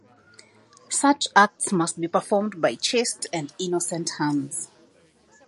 Such acts must be performed by chaste and innocent hands.